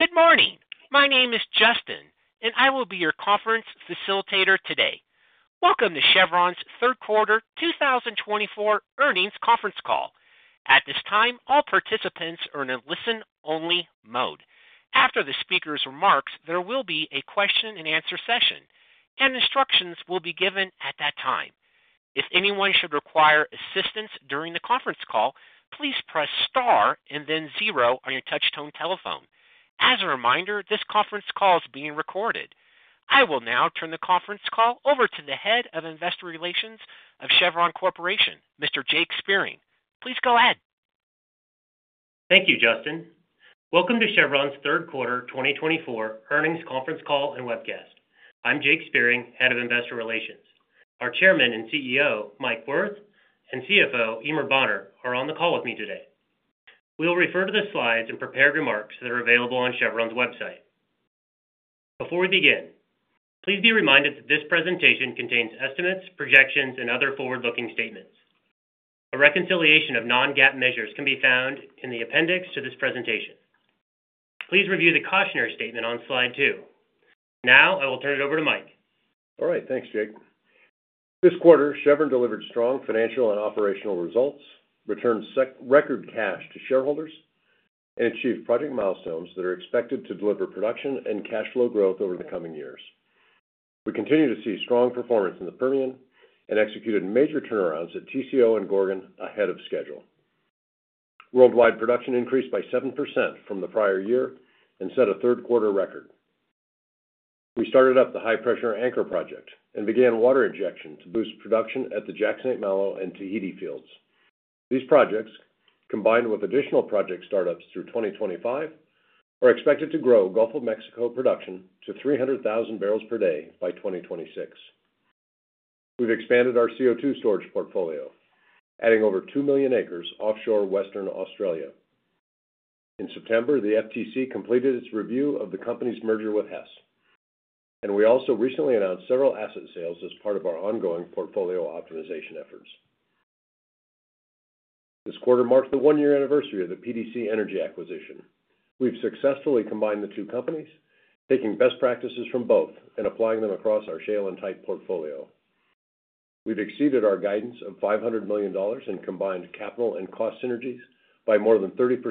Good morning. My name is Justin, and I will be your conference facilitator today. Welcome to Chevron's third quarter 2024 earnings conference call. At this time, all participants are in a listen-only mode. After the speaker's remarks, there will be a question-and-answer session, and instructions will be given at that time. If anyone should require assistance during the conference call, please press star and then zero on your touch-tone telephone. As a reminder, this conference call is being recorded. I will now turn the conference call over to the head of investor relations of Chevron Corporation, Mr. Jake Spiering. Please go ahead. Thank you, Justin. Welcome to Chevron's third quarter 2024 earnings conference call and webcast. I'm Jake Spiering, head of investor relations. Our Chairman and CEO, Mike Wirth, and CFO, Eimear Bonner, are on the call with me today. We'll refer to the slides and prepared remarks that are available on Chevron's website. Before we begin, please be reminded that this presentation contains estimates, projections, and other forward-looking statements. A reconciliation of non-GAAP measures can be found in the appendix to this presentation. Please review the cautionary statement on slide two. Now, I will turn it over to Mike. All right. Thanks, Jake. This quarter, Chevron delivered strong financial and operational results, returned record cash to shareholders, and achieved project milestones that are expected to deliver production and cash flow growth over the coming years. We continue to see strong performance in the Permian and executed major turnarounds at TCO and Gorgon ahead of schedule. Worldwide production increased by 7% from the prior year and set a third-quarter record. We started up the high pressure Anchor project and began water injection to boost production at the Jack/St. Malo and Tahiti fields. These projects, combined with additional project startups through 2025, are expected to grow Gulf of Mexico production to 300,000 barrels per day by 2026. We've expanded our CO2 storage portfolio, adding over two million acres offshore Western Australia. In September, the FTC completed its review of the company's merger with Hess, and we also recently announced several asset sales as part of our ongoing portfolio optimization efforts. This quarter marked the one-year anniversary of the PDC Energy acquisition. We've successfully combined the two companies, taking best practices from both and applying them across our shale and tight portfolio. We've exceeded our guidance of $500 million in combined capital and cost synergies by more than 30%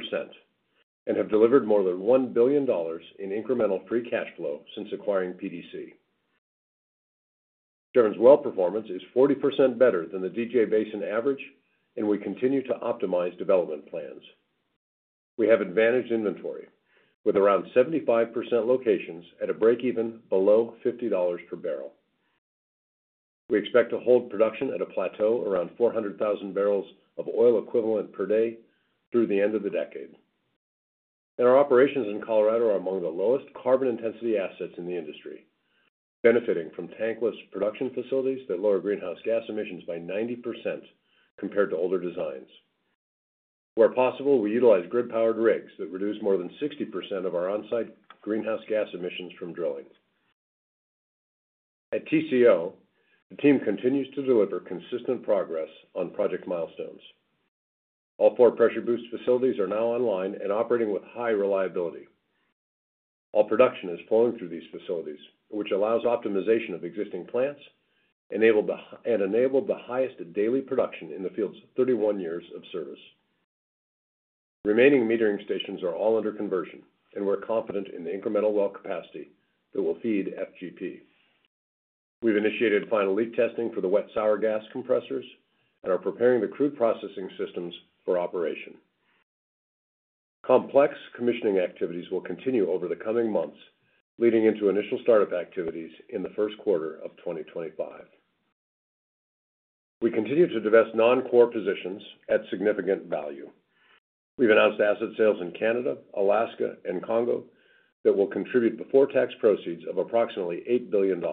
and have delivered more than $1 billion in incremental free cash flow since acquiring PDC. Chevron's well performance is 40% better than the DJ Basin average, and we continue to optimize development plans. We have advantaged inventory with around 75% locations at a break-even below $50 per barrel. We expect to hold production at a plateau around 400,000 barrels of oil equivalent per day through the end of the decade. And our operations in Colorado are among the lowest carbon-intensity assets in the industry, benefiting from tankless production facilities that lower greenhouse gas emissions by 90% compared to older designs. Where possible, we utilize grid-powered rigs that reduce more than 60% of our onsite greenhouse gas emissions from drilling. At TCO, the team continues to deliver consistent progress on project milestones. All four pressure boost facilities are now online and operating with high reliability. All production is flowing through these facilities, which allows optimization of existing plants and enables the highest daily production in the field's 31 years of service. Remaining metering stations are all under conversion, and we're confident in the incremental well capacity that will feed FGP. We've initiated final leak testing for the wet sour gas compressors and are preparing the crude processing systems for operation. Complex commissioning activities will continue over the coming months, leading into initial startup activities in the first quarter of 2025. We continue to divest non-core positions at significant value. We've announced asset sales in Canada, Alaska, and Congo that will contribute before-tax proceeds of approximately $8 billion.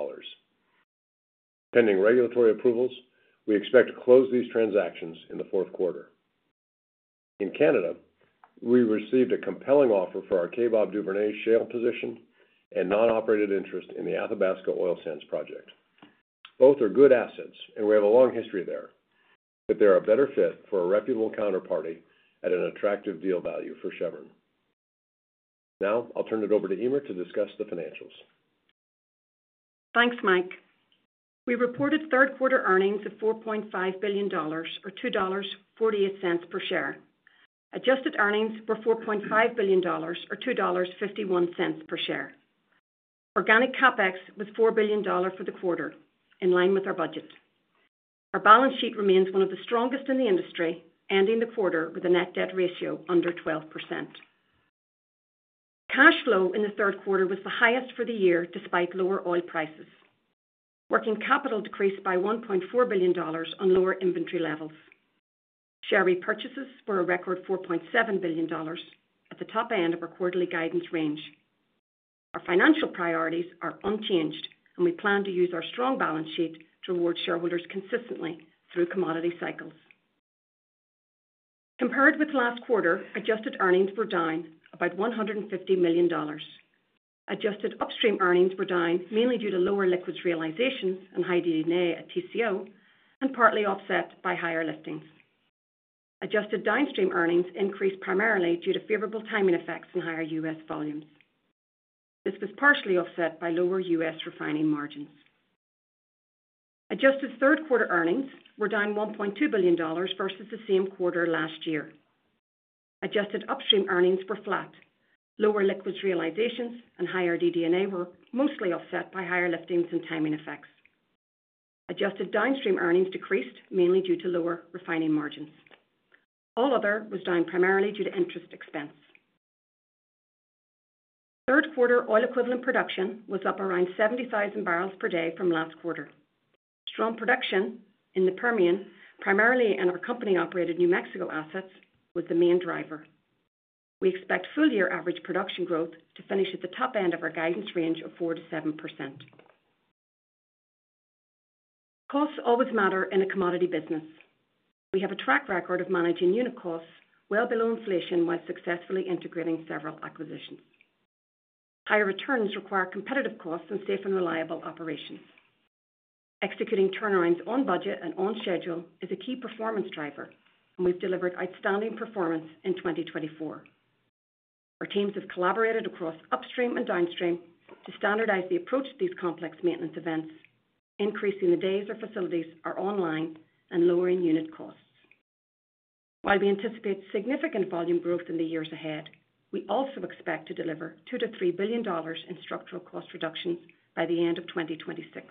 Pending regulatory approvals, we expect to close these transactions in the fourth quarter. In Canada, we received a compelling offer for our Kaybob Duvernay shale position and non-operated interest in the Athabasca Oil Sands Project. Both are good assets, and we have a long history there, but they're a better fit for a reputable counterparty at an attractive deal value for Chevron. Now, I'll turn it over to Eimear to discuss the financials. Thanks, Mike. We reported third-quarter earnings of $4.5 billion, or $2.48 per share. Adjusted earnings were $4.5 billion, or $2.51 per share. Organic CapEx was $4 billion for the quarter, in line with our budget. Our balance sheet remains one of the strongest in the industry, ending the quarter with a net debt ratio under 12%. Cash flow in the third quarter was the highest for the year despite lower oil prices. Working capital decreased by $1.4 billion on lower inventory levels. Share repurchases were a record $4.7 billion, at the top end of our quarterly guidance range. Our financial priorities are unchanged, and we plan to use our strong balance sheet to reward shareholders consistently through commodity cycles. Compared with last quarter, adjusted earnings were down about $150 million. Adjusted upstream earnings were down mainly due to lower liquids realizations and higher DD&A at TCO, and partly offset by higher liftings. Adjusted downstream earnings increased primarily due to favorable timing effects in higher U.S. volumes. This was partially offset by lower U.S. refining margins. Adjusted third-quarter earnings were down $1.2 billion versus the same quarter last year. Adjusted upstream earnings were flat. Lower liquids realizations and higher DD&A were mostly offset by higher liftings and timing effects. Adjusted downstream earnings decreased mainly due to lower refining margins. All other was down primarily due to interest expense. Third-quarter oil equivalent production was up around 70,000 barrels per day from last quarter. Strong production in the Permian, primarily in our company-operated New Mexico assets, was the main driver. We expect full-year average production growth to finish at the top end of our guidance range of 4% to 7%. Costs always matter in a commodity business. We have a track record of managing unit costs well below inflation while successfully integrating several acquisitions. Higher returns require competitive costs and safe and reliable operations. Executing turnarounds on budget and on schedule is a key performance driver, and we've delivered outstanding performance in 2024. Our teams have collaborated across upstream and downstream to standardize the approach to these complex maintenance events, increasing the days our facilities are online and lowering unit costs. While we anticipate significant volume growth in the years ahead, we also expect to deliver $2-$3 billion in structural cost reductions by the end of 2026.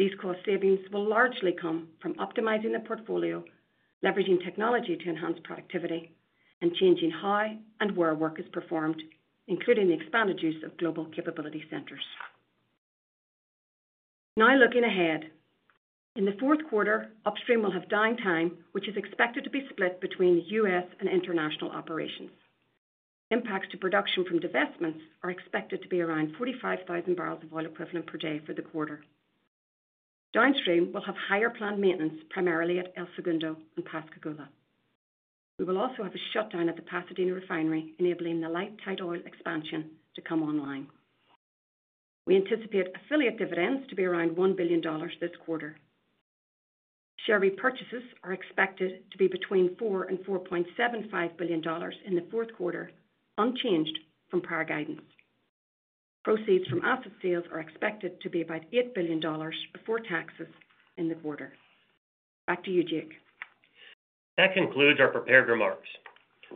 These cost savings will largely come from optimizing the portfolio, leveraging technology to enhance productivity, and changing how and where work is performed, including the expanded use of global capability centers. Now looking ahead, in the fourth quarter, upstream will have downtime, which is expected to be split between US and international operations. Impacts to production from divestments are expected to be around 45,000 barrels of oil equivalent per day for the quarter. Downstream will have higher planned maintenance, primarily at El Segundo and Pascagoula. We will also have a shutdown at the Pasadena refinery, enabling the light tight oil expansion to come online. We anticipate affiliate dividends to be around $1 billion this quarter. Share repurchases are expected to be between $4-$4.75 billion in the fourth quarter, unchanged from prior guidance. Proceeds from asset sales are expected to be about $8 billion before taxes in the quarter. Back to you, Jake. That concludes our prepared remarks.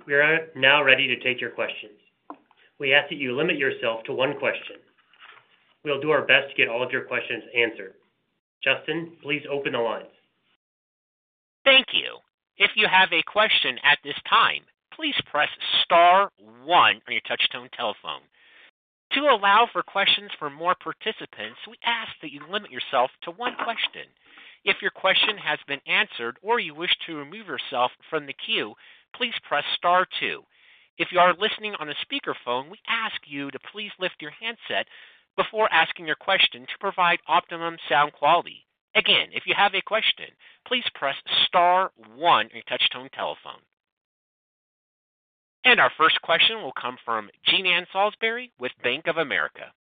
We are now ready to take your questions. We ask that you limit yourself to one question. We'll do our best to get all of your questions answered. Justin, please open the lines. Thank you. If you have a question at this time, please press star one on your touch-tone telephone. To allow for questions for more participants, we ask that you limit yourself to one question. If your question has been answered or you wish to remove yourself from the queue, please press star two. If you are listening on a speakerphone, we ask you to please lift your handset before asking your question to provide optimum sound quality. Again, if you have a question, please press star one on your touch-tone telephone, and our first question will come from Jean Ann Salisbury with Bank of America.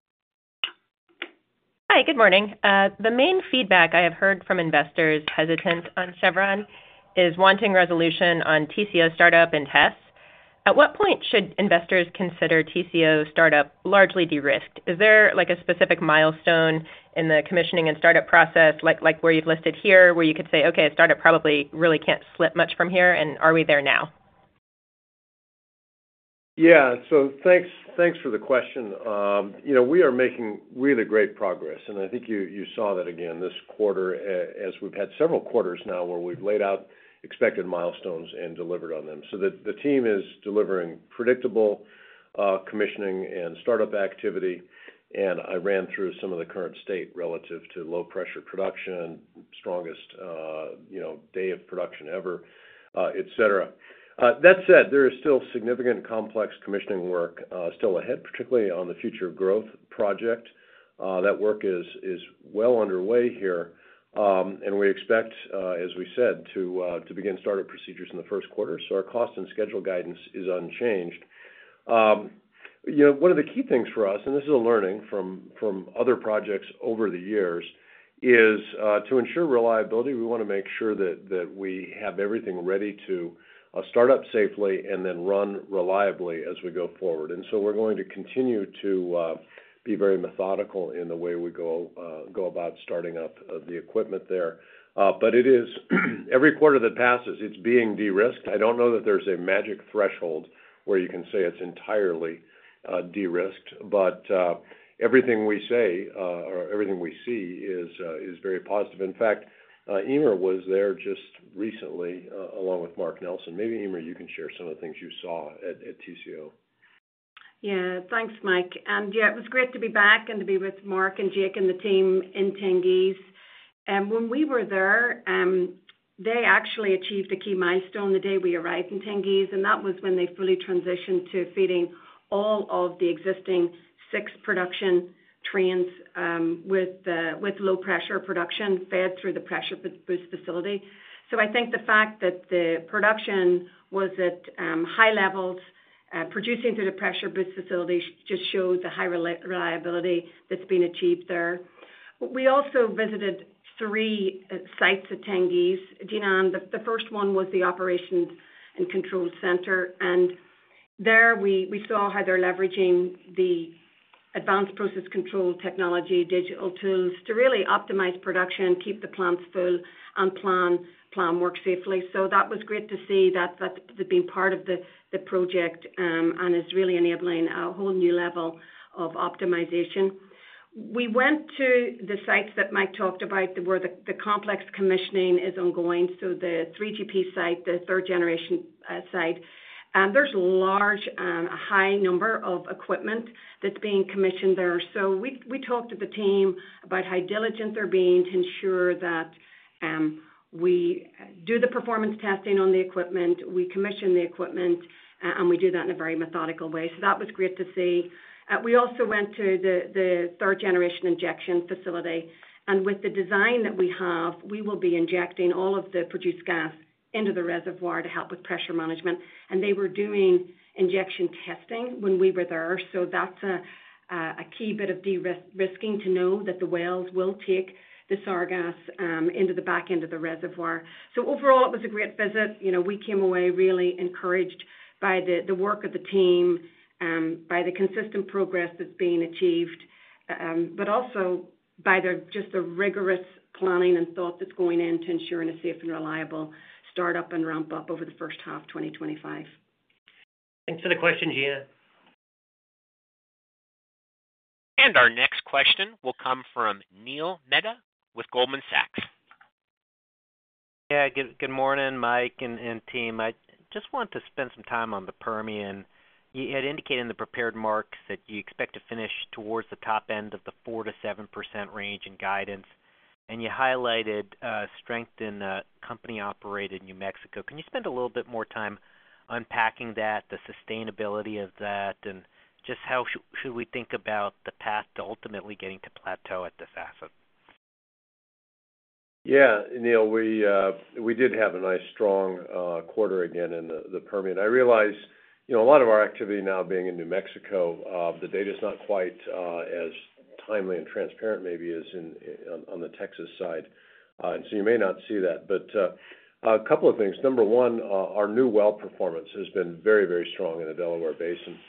Hi, good morning. The main feedback I have heard from investors hesitant on Chevron is wanting resolution on TCO startup and tests. At what point should investors consider TCO startup largely de-risked? Is there a specific milestone in the commissioning and startup process, like where you've listed here, where you could say, "Okay, startup probably really can't slip much from here," and are we there now? Yeah. So thanks for the question. We are making really great progress, and I think you saw that again this quarter, as we've had several quarters now where we've laid out expected milestones and delivered on them. So the team is delivering predictable commissioning and startup activity, and I ran through some of the current state relative to low-pressure production, strongest day of production ever, etc. That said, there is still significant complex commissioning work ahead, particularly on the future growth project. That work is well underway here, and we expect, as we said, to begin startup procedures in the first quarter. So our cost and schedule guidance is unchanged. One of the key things for us, and this is a learning from other projects over the years, is to ensure reliability. We want to make sure that we have everything ready to start up safely and then run reliably as we go forward. And so we're going to continue to be very methodical in the way we go about starting up the equipment there. But every quarter that passes, it's being de-risked. I don't know that there's a magic threshold where you can say it's entirely de-risked, but everything we say or everything we see is very positive. In fact, Eimear was there just recently along with Mark Nelson. Maybe, Eimear, you can share some of the things you saw at TCO. Yeah. Thanks, Mike. And yeah, it was great to be back and to be with Mark and Jake and the team in Tengiz. And when we were there, they actually achieved a key milestone the day we arrived in Tengiz, and that was when they fully transitioned to feeding all of the existing six production trains with low-pressure production fed through the pressure boost facility. So I think the fact that the production was at high levels, producing through the pressure boost facility, just shows the high reliability that's been achieved there. We also visited three sites at Tengiz. Jean Ann, the first one was the operations and control center, and there we saw how they're leveraging the advanced process control technology, digital tools to really optimize production, keep the plants full, and plan work safely. That was great to see that they've been part of the project and is really enabling a whole new level of optimization. We went to the sites that Mike talked about, where the complex commissioning is ongoing. The 3GP site, the third-generation site, there's a large and high number of equipment that's being commissioned there. We talked to the team about how diligent they're being to ensure that we do the performance testing on the equipment, we commission the equipment, and we do that in a very methodical way. That was great to see. We also went to the third-generation injection facility, and with the design that we have, we will be injecting all of the produced gas into the reservoir to help with pressure management. And they were doing injection testing when we were there, so that's a key bit of de-risking to know that the wells will take the sour gas into the back end of the reservoir. So overall, it was a great visit. We came away really encouraged by the work of the team, by the consistent progress that's being achieved, but also by just the rigorous planning and thought that's going into ensuring a safe and reliable startup and ramp-up over the first half of 2025. Thanks for the question, Jean Ann. Our next question will come from Neil Mehta with Goldman Sachs. Yeah. Good morning, Mike and team. I just want to spend some time on the Permian. You had indicated in the prepared remarks that you expect to finish towards the top end of the 4%-7% range in guidance, and you highlighted strength in company-operated New Mexico. Can you spend a little bit more time unpacking that, the sustainability of that, and just how should we think about the path to ultimately getting to plateau at this asset? Yeah. Neil, we did have a nice strong quarter again in the Permian. I realize a lot of our activity now being in New Mexico. The data's not quite as timely and transparent maybe as on the Texas side. And so you may not see that. But a couple of things. Number one, our new well performance has been very, very strong in the Delaware Basin.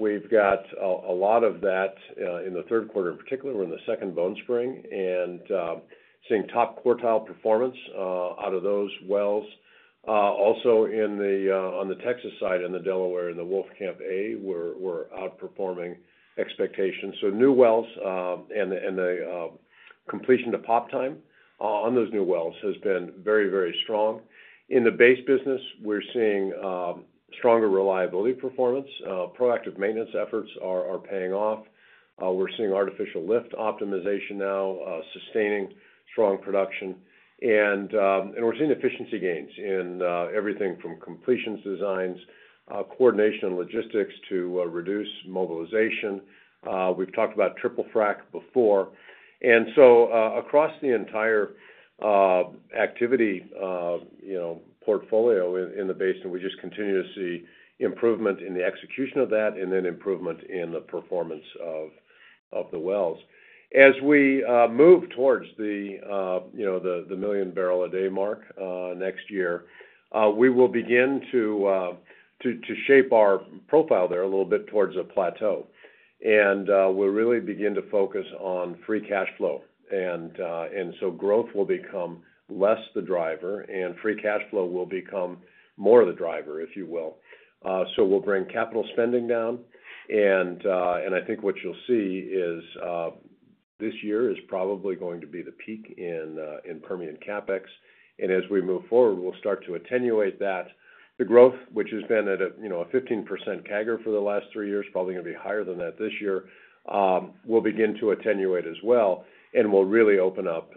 We've got a lot of that in the third quarter in particular. We're in the Second Bone Spring and seeing top quartile performance out of those wells. Also, on the Texas side in the Delaware and the Wolfcamp A, we're outperforming expectations. So new wells and the completion to POP time on those new wells has been very, very strong. In the base business, we're seeing stronger reliability performance. Proactive maintenance efforts are paying off. We're seeing artificial lift optimization now, sustaining strong production. And we're seeing efficiency gains in everything from completions designs, coordination and logistics to reduce mobilization. We've talked about triple frac before. And so across the entire activity portfolio in the basin, we just continue to see improvement in the execution of that and then improvement in the performance of the wells. As we move towards the 1 million barrel a day mark next year, we will begin to shape our profile there a little bit towards a plateau. And we'll really begin to focus on free cash flow. And so growth will become less the driver, and free cash flow will become more the driver, if you will. So we'll bring capital spending down. And I think what you'll see is this year is probably going to be the peak in Permian CapEx. As we move forward, we'll start to attenuate that. The growth, which has been at a 15% CAGR for the last three years, probably going to be higher than that this year, will begin to attenuate as well, and will really open up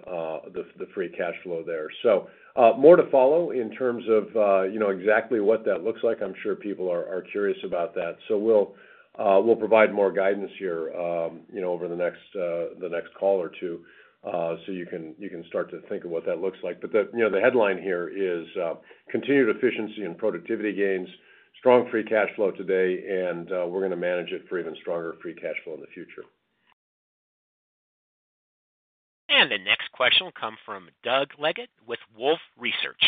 the free cash flow there. More to follow in terms of exactly what that looks like. I'm sure people are curious about that. We'll provide more guidance here over the next call or two so you can start to think of what that looks like. The headline here is continued efficiency and productivity gains, strong free cash flow today, and we're going to manage it for even stronger free cash flow in the future. The next question will come from Doug Leggett with Wolfe Research.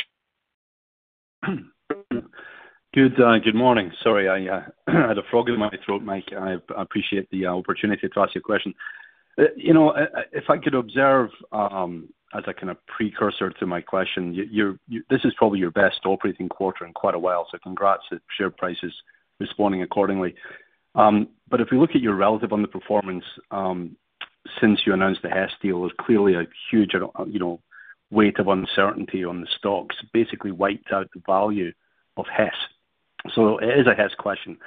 Good morning. Sorry, I had a frog in my throat, Mike. I appreciate the opportunity to ask you a question. If I could observe, as a kind of precursor to my question, this is probably your best operating quarter in quite a while, so congrats, share prices responding accordingly. But if we look at your relative underperformance since you announced the Hess deal, there's clearly a huge weight of uncertainty on the stocks, basically wiped out the value of Hess. So it is a Hess question.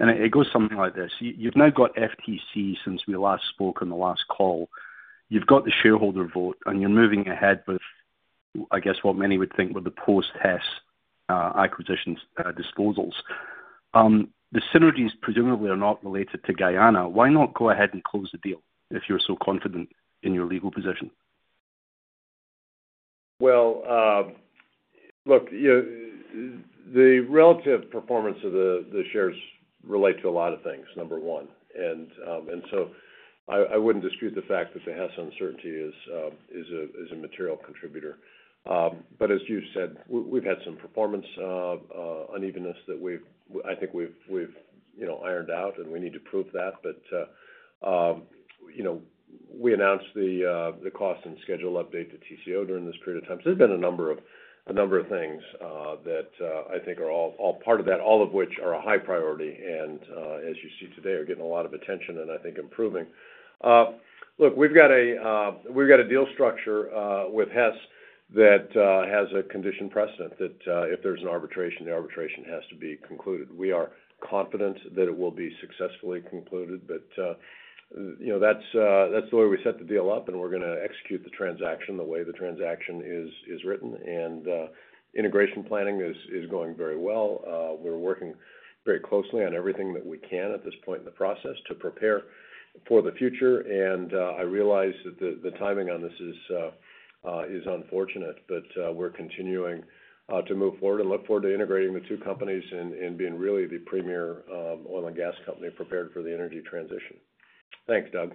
And it goes something like this: you've now got FTC since we last spoke on the last call. You've got the shareholder vote, and you're moving ahead with, I guess, what many would think were the post-Hess acquisitions disposals. The synergies presumably are not related to Guyana. Why not go ahead and close the deal if you're so confident in your legal position? Well, look, the relative performance of the shares relates to a lot of things, number one. And so I wouldn't dispute the fact that the Hess uncertainty is a material contributor. But as you said, we've had some performance unevenness that I think we've ironed out, and we need to prove that. But we announced the cost and schedule update to TCO during this period of time. So there's been a number of things that I think are all part of that, all of which are a high priority and, as you see today, are getting a lot of attention and I think improving. Look, we've got a deal structure with Hess that has a condition precedent that if there's an arbitration, the arbitration has to be concluded. We are confident that it will be successfully concluded, but that's the way we set the deal up, and we're going to execute the transaction the way the transaction is written. And integration planning is going very well. We're working very closely on everything that we can at this point in the process to prepare for the future. And I realize that the timing on this is unfortunate, but we're continuing to move forward and look forward to integrating the two companies and being really the premier oil and gas company prepared for the energy transition. Thanks, Doug.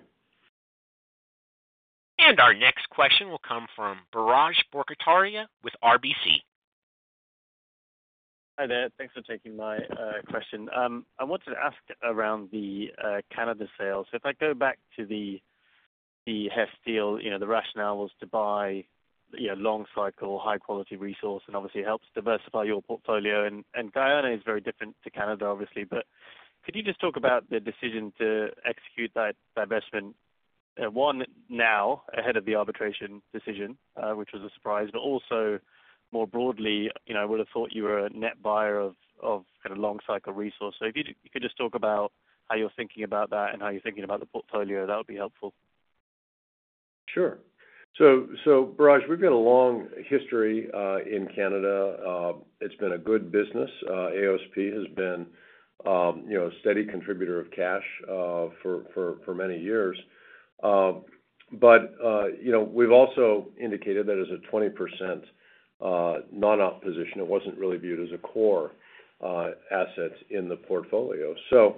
Our next question will come from Biraj Borkhataria with RBC. Hi there. Thanks for taking my question. I wanted to ask around the Canada sales. So if I go back to the Hess deal, the rationale was to buy long-cycle, high-quality resource, and obviously, it helps diversify your portfolio. And Guyana is very different to Canada, obviously. But could you just talk about the decision to execute that investment, one, now ahead of the arbitration decision, which was a surprise, but also more broadly, I would have thought you were a net buyer of kind of long-cycle resource? So if you could just talk about how you're thinking about that and how you're thinking about the portfolio, that would be helpful. Sure. So Biraj, we've got a long history in Canada. It's been a good business. AOSP has been a steady contributor of cash for many years. But we've also indicated that as a 20% non-op position, it wasn't really viewed as a core asset in the portfolio. So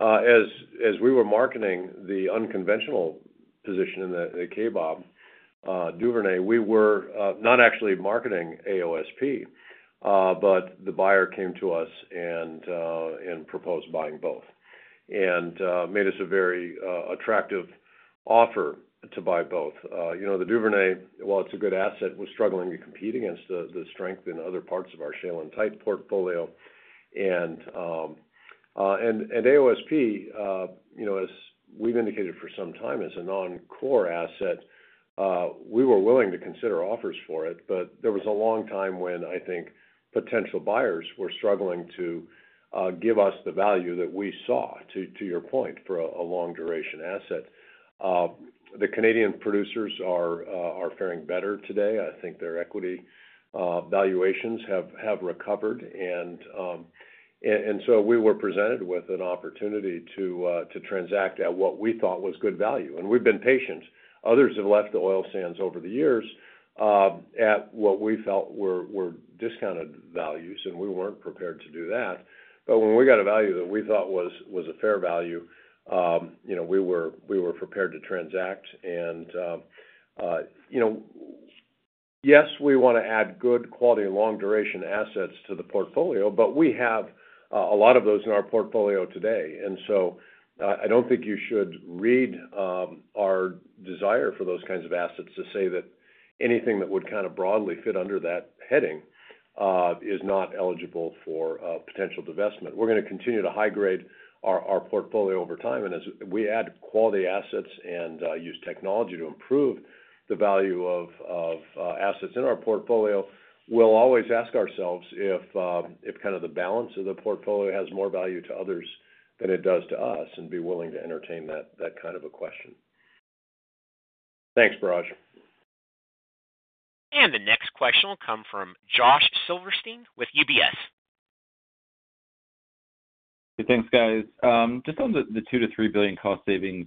as we were marketing the unconventional position in the Kaybob Duvernay, we were not actually marketing AOSP, but the buyer came to us and proposed buying both and made us a very attractive offer to buy both. The Duvernay, while it's a good asset, was struggling to compete against the strength in other parts of our shale and tight portfolio. And AOSP, as we've indicated for some time, is a non-core asset. We were willing to consider offers for it, but there was a long time when I think potential buyers were struggling to give us the value that we saw, to your point, for a long-duration asset. The Canadian producers are faring better today. I think their equity valuations have recovered, and so we were presented with an opportunity to transact at what we thought was good value, and we've been patient. Others have left the oil sands over the years at what we felt were discounted values, and we weren't prepared to do that, but when we got a value that we thought was a fair value, we were prepared to transact, and yes, we want to add good, quality, long-duration assets to the portfolio, but we have a lot of those in our portfolio today. And so I don't think you should read our desire for those kinds of assets to say that anything that would kind of broadly fit under that heading is not eligible for potential divestment. We're going to continue to high-grade our portfolio over time. And as we add quality assets and use technology to improve the value of assets in our portfolio, we'll always ask ourselves if kind of the balance of the portfolio has more value to others than it does to us and be willing to entertain that kind of a question. Thanks, Biraj. The next question will come from Josh Silverstein with UBS. Hey, thanks, guys. Just on the $2-3 billion cost savings,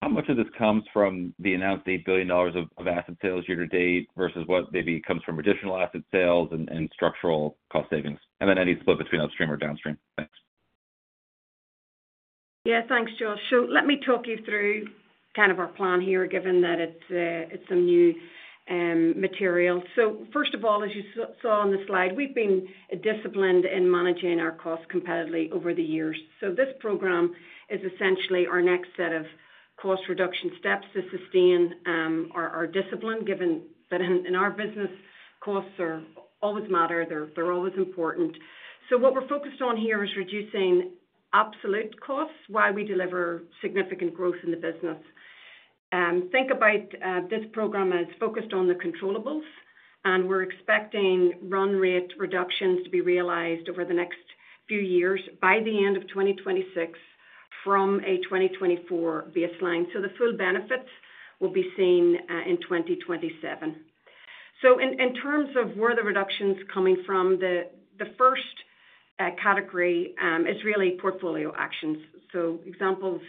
how much of this comes from the announced $8 billion of asset sales year to date versus what maybe comes from additional asset sales and structural cost savings? And then any split between upstream or downstream. Thanks. Yeah. Thanks, Josh. So let me talk you through kind of our plan here, given that it's some new material. So first of all, as you saw on the slide, we've been disciplined in managing our costs competitively over the years. So this program is essentially our next set of cost reduction steps to sustain our discipline, given that in our business, costs always matter. They're always important. So what we're focused on here is reducing absolute costs, why we deliver significant growth in the business. Think about this program as focused on the controllables, and we're expecting run rate reductions to be realized over the next few years by the end of 2026 from a 2024 baseline. So the full benefits will be seen in 2027. So in terms of where the reduction's coming from, the first category is really portfolio actions. Examples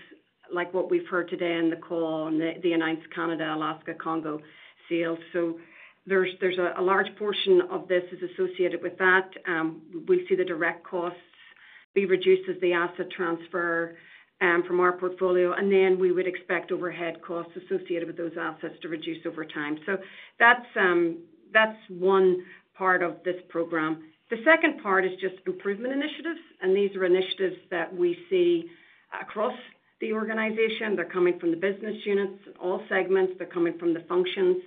like what we've heard today in the call, the announced Canada, Alaska, Congo sales. There's a large portion of this is associated with that. We'll see the direct costs be reduced as the asset transfer from our portfolio. Then we would expect overhead costs associated with those assets to reduce over time. That's one part of this program. The second part is just improvement initiatives. These are initiatives that we see across the organization. They're coming from the business units, all segments. They're coming from the functions.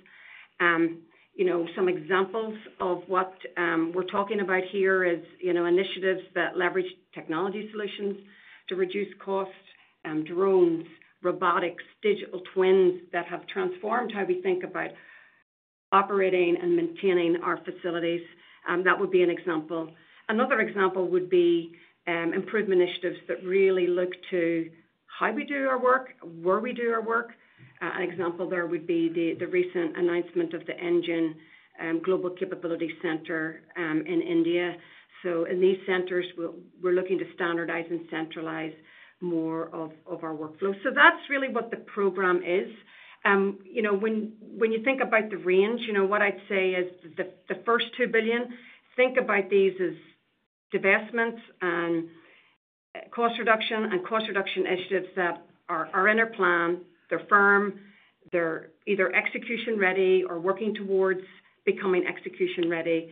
Some examples of what we're talking about here are initiatives that leverage technology solutions to reduce costs: drones, robotics, digital twins that have transformed how we think about operating and maintaining our facilities. That would be an example. Another example would be improvement initiatives that really look to how we do our work, where we do our work. An example there would be the recent announcement of the ENGINE Global Capability Center in India. So in these centers, we're looking to standardize and centralize more of our workflow. So that's really what the program is. When you think about the range, what I'd say is the first $2 billion, think about these as divestments and cost reduction and cost reduction initiatives that are in our plan. They're firm. They're either execution-ready or working towards becoming execution-ready.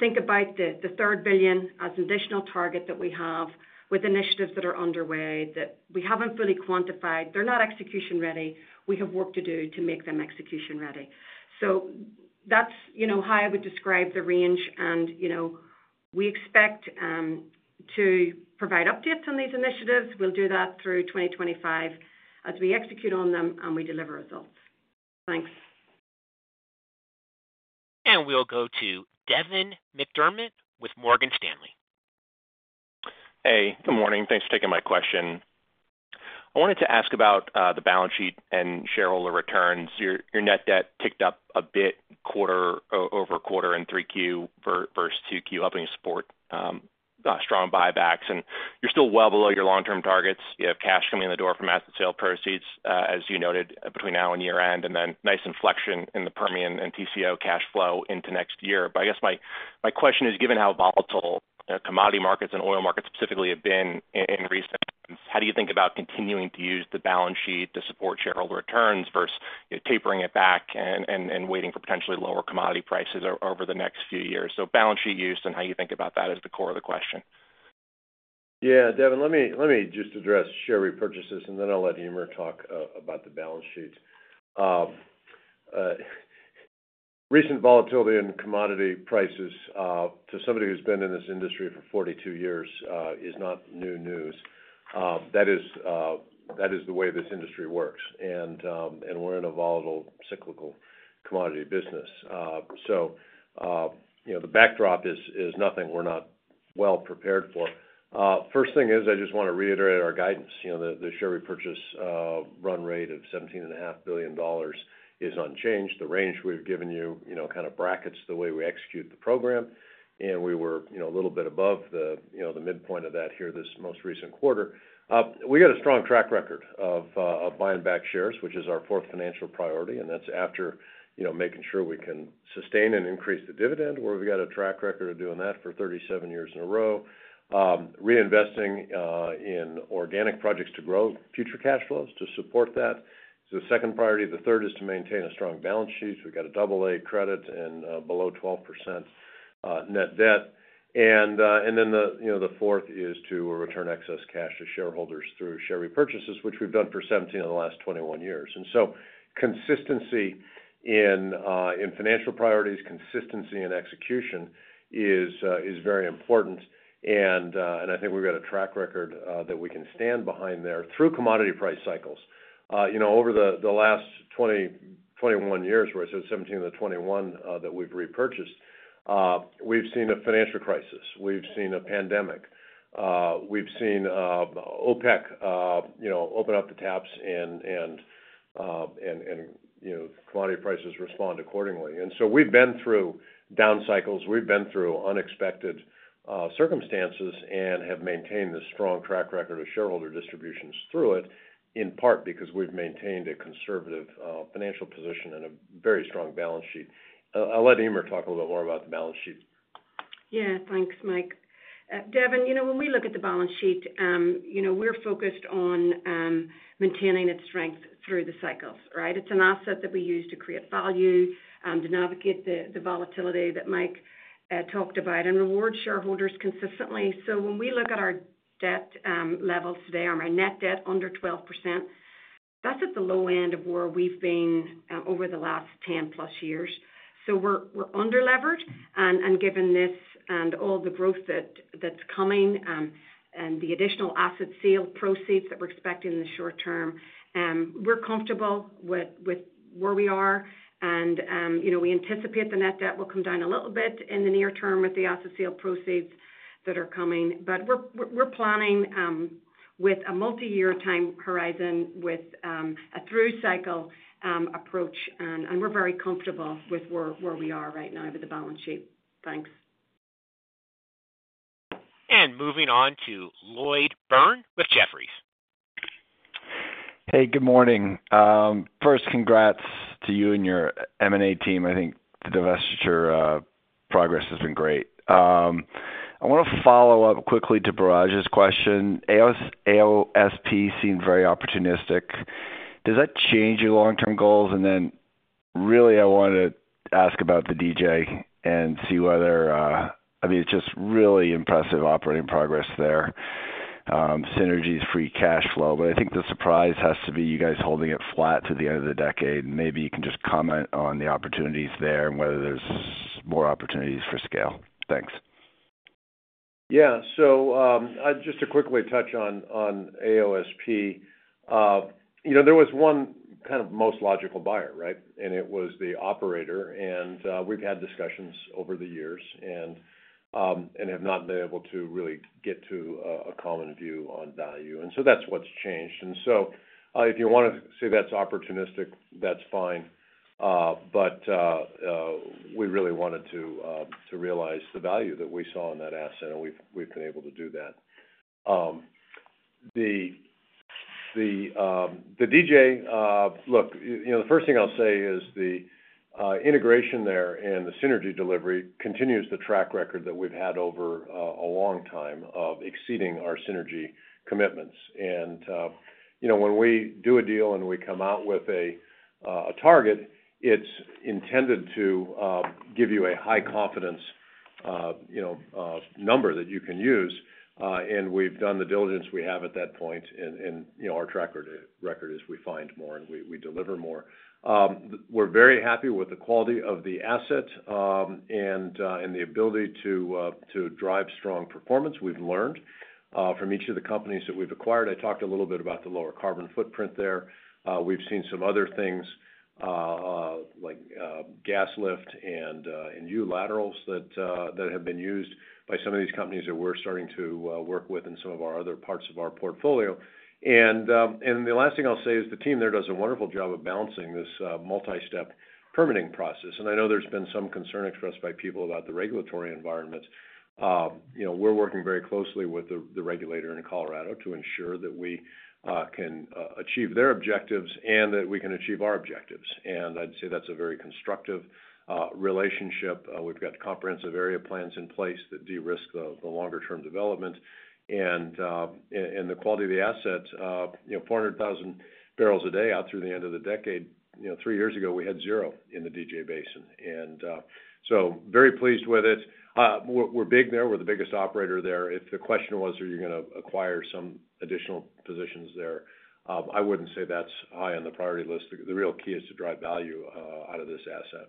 Think about the $3 billion as an additional target that we have with initiatives that are underway that we haven't fully quantified. They're not execution-ready. We have work to do to make them execution-ready. So that's how I would describe the range. And we expect to provide updates on these initiatives. We'll do that through 2025 as we execute on them and we deliver results. Thanks. We'll go to Devin McDermott with Morgan Stanley. Hey. Good morning. Thanks for taking my question. I wanted to ask about the balance sheet and shareholder returns. Your net debt ticked up a bit, quarter over quarter in 3Q versus 2Q, helping you support strong buybacks. And you're still well below your long-term targets. You have cash coming in the door from asset sale proceeds, as you noted, between now and year-end, and then nice inflection in the Permian and TCO cash flow into next year. But I guess my question is, given how volatile commodity markets and oil markets specifically have been in recent times, how do you think about continuing to use the balance sheet to support shareholder returns versus tapering it back and waiting for potentially lower commodity prices over the next few years? So balance sheet use and how you think about that is the core of the question. Yeah. Devin, let me just address share repurchases, and then I'll let Eimear talk about the balance sheet. Recent volatility in commodity prices to somebody who's been in this industry for 42 years is not new news. That is the way this industry works. And we're in a volatile, cyclical commodity business. So the backdrop is nothing we're not well prepared for. First thing is, I just want to reiterate our guidance. The share repurchase run rate of $17.5 billion is unchanged. The range we've given you kind of brackets the way we execute the program. And we were a little bit above the midpoint of that here this most recent quarter. We got a strong track record of buying back shares, which is our fourth financial priority. That's after making sure we can sustain and increase the dividend, where we've got a track record of doing that for 37 years in a row, reinvesting in organic projects to grow future cash flows to support that. The second priority. The third is to maintain a strong balance sheet. We've got a double-A credit and below 12% net debt. The fourth is to return excess cash to shareholders through share repurchases, which we've done for 17 of the last 21 years. Consistency in financial priorities, consistency in execution is very important. I think we've got a track record that we can stand behind there through commodity price cycles. Over the last 21 years, where I said 17 of the 21 that we've repurchased, we've seen a financial crisis. We've seen a pandemic. We've seen OPEC open up the taps, and commodity prices respond accordingly. And so we've been through down cycles. We've been through unexpected circumstances and have maintained this strong track record of shareholder distributions through it, in part because we've maintained a conservative financial position and a very strong balance sheet. I'll let Eimear talk a little bit more about the balance sheet. Yeah. Thanks, Mike. Devin, when we look at the balance sheet, we're focused on maintaining its strength through the cycles, right? It's an asset that we use to create value, to navigate the volatility that Mike talked about, and reward shareholders consistently. So when we look at our debt levels today, our net debt under 12%, that's at the low end of where we've been over the last 10-plus years. So we're under-levered. And given this and all the growth that's coming and the additional asset sale proceeds that we're expecting in the short term, we're comfortable with where we are. And we anticipate the net debt will come down a little bit in the near term with the asset sale proceeds that are coming. But we're planning with a multi-year time horizon with a through cycle approach. We're very comfortable with where we are right now with the balance sheet. Thanks. Moving on to Lloyd Byrne with Jefferies. Hey, good morning. First, congrats to you and your M&A team. I think the divestiture progress has been great. I want to follow up quickly to Biraj's question. AOSP seemed very opportunistic. Does that change your long-term goals? And then really, I wanted to ask about the DJ and see whether I mean, it's just really impressive operating progress there. Synergies free cash flow. But I think the surprise has to be you guys holding it flat to the end of the decade. And maybe you can just comment on the opportunities there and whether there's more opportunities for scale. Thanks. Yeah. So just to quickly touch on AOSP, there was one kind of most logical buyer, right, and it was the operator, and we've had discussions over the years and have not been able to really get to a common view on value, and so that's what's changed, and so if you want to say that's opportunistic, that's fine, but we really wanted to realize the value that we saw in that asset, and we've been able to do that. The DJ, look, the first thing I'll say is the integration there and the synergy delivery continues the track record that we've had over a long time of exceeding our synergy commitments, and when we do a deal and we come out with a target, it's intended to give you a high confidence number that you can use, and we've done the diligence we have at that point. Our track record is we find more and we deliver more. We're very happy with the quality of the asset and the ability to drive strong performance. We've learned from each of the companies that we've acquired. I talked a little bit about the lower carbon footprint there. We've seen some other things like gas lift and U-laterals that have been used by some of these companies that we're starting to work with in some of our other parts of our portfolio. The last thing I'll say is the team there does a wonderful job of balancing this multi-step permitting process. I know there's been some concern expressed by people about the regulatory environment. We're working very closely with the regulator in Colorado to ensure that we can achieve their objectives and that we can achieve our objectives. I'd say that's a very constructive relationship. We've got comprehensive area plans in place that de-risk the longer-term development, and the quality of the asset, 400,000 barrels a day out through the end of the decade. Three years ago, we had zero in the DJ Basin, and so very pleased with it. We're big there. We're the biggest operator there. If the question was, are you going to acquire some additional positions there, I wouldn't say that's high on the priority list. The real key is to drive value out of this asset.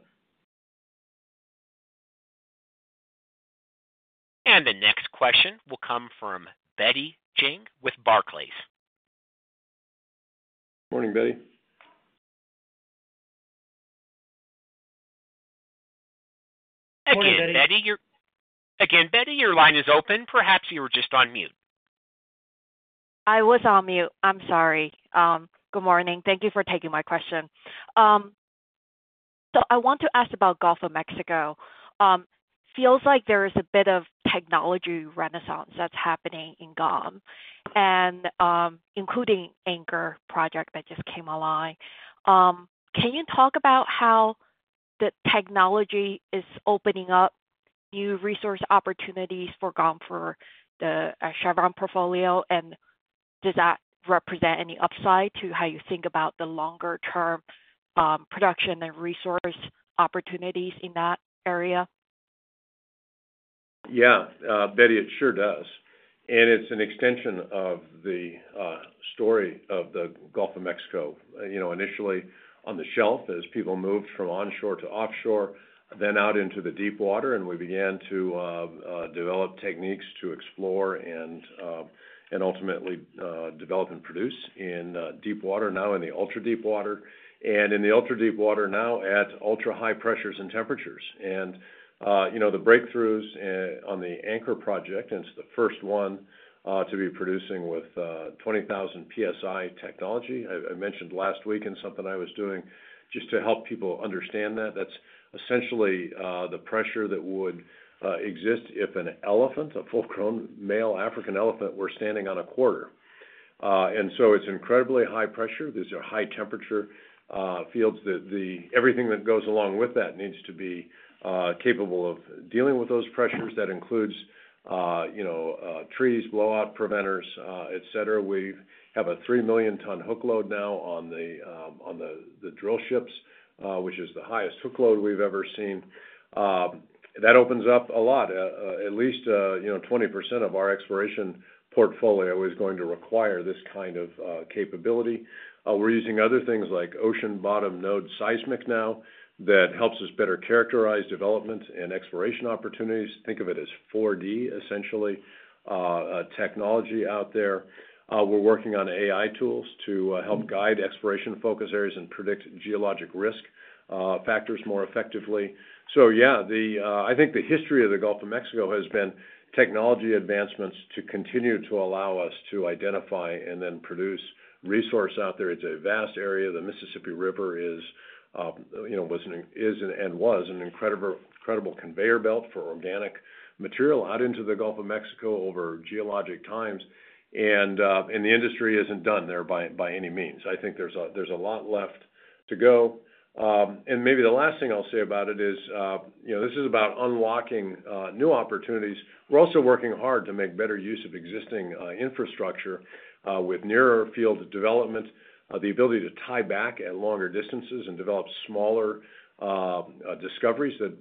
The next question will come from Betty Jiang with Barclays. Morning, Betty. Again, Betty, your line is open. Perhaps you were just on mute. I was on mute. I'm sorry. Good morning. Thank you for taking my question. So I want to ask about Gulf of Mexico. Feels like there is a bit of technology renaissance that's happening in GOM, including Anchor Project that just came online. Can you talk about how the technology is opening up new resource opportunities for GOM for the Chevron portfolio? And does that represent any upside to how you think about the longer-term production and resource opportunities in that area? Yeah. Betty, it sure does. And it's an extension of the story of the Gulf of Mexico. Initially, on the shelf, as people moved from onshore to offshore, then out into the deep water, and we began to develop techniques to explore and ultimately develop and produce in deep water, now in the ultra-deep water. And in the ultra-deep water now at ultra-high pressures and temperatures. And the breakthroughs on the Anchor Project, and it's the first one to be producing with 20,000 PSI technology, I mentioned last week in something I was doing just to help people understand that. That's essentially the pressure that would exist if an elephant, a full-grown male African elephant, were standing on a quarter. And so it's incredibly high pressure. These are high-temperature fields. Everything that goes along with that needs to be capable of dealing with those pressures. That includes trees, blowout preventers, etc. We have a 3 million-ton hookload now on the drill ships, which is the highest hookload we've ever seen. That opens up a lot. At least 20% of our exploration portfolio is going to require this kind of capability. We're using other things like ocean-bottom node seismic now that helps us better characterize developments and exploration opportunities. Think of it as 4D, essentially, technology out there. We're working on AI tools to help guide exploration focus areas and predict geologic risk factors more effectively. So yeah, I think the history of the Gulf of Mexico has been technology advancements to continue to allow us to identify and then produce resource out there. It's a vast area. The Mississippi River was an incredible conveyor belt for organic material out into the Gulf of Mexico over geologic times. The industry isn't done there by any means. I think there's a lot left to go. Maybe the last thing I'll say about it is this is about unlocking new opportunities. We're also working hard to make better use of existing infrastructure with nearer field development, the ability to tie back at longer distances and develop smaller discoveries that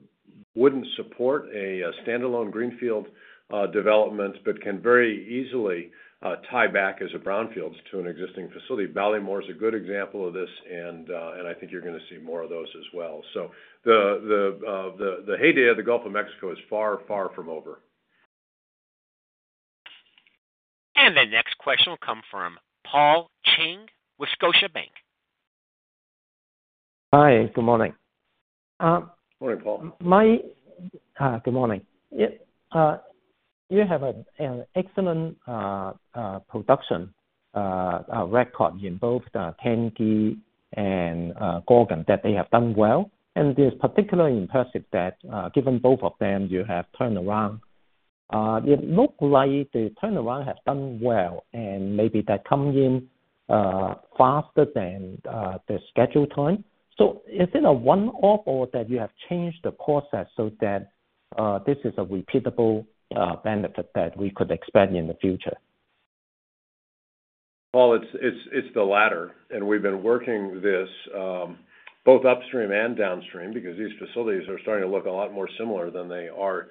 wouldn't support a standalone greenfield development, but can very easily tie back as a brownfield to an existing facility. Ballymore is a good example of this. I think you're going to see more of those as well. The heyday of the Gulf of Mexico is far, far from over. The next question will come from Paul Cheng with Scotiabank. Hi. Good morning. Morning, Paul. Good morning. You have an excellent production record in both Tengiz and Gorgon that they have done well. And it is particularly impressive that given both of them you have turned around. It looks like the turnaround has done well. And maybe that comes in faster than the scheduled time. So is it a one-off or that you have changed the process so that this is a repeatable benefit that we could expect in the future? Paul, it's the latter, and we've been working this both upstream and downstream because these facilities are starting to look a lot more similar than they are